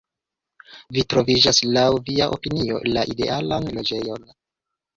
Vi trovis, laŭ via opinio, la idealan loĝejon.